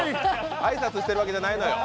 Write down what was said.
挨拶してるわけじゃないのよ。